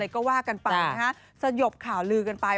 ก็ว่ากันไปนะฮะสยบข่าวลือกันไป